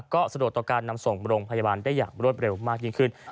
ก็สะดวกต่อการนำส่งโรงพยาบาลได้อย่างรวดเร็วมากยิ่งขึ้น